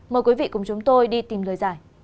mời quý vị cùng chúng tôi đi tìm lời giải